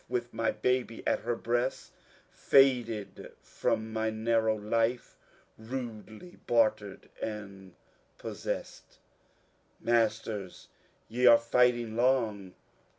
With mj baby at her breast, Faded from my narrow life, Radelj bartered and possest. Masters, je are fighting long.